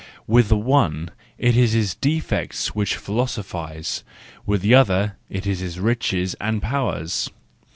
With the one it is his defects which philosophise, with the other it is his riches and powers.